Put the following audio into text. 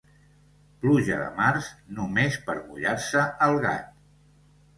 Pluja de març, només per mullar-se el gat.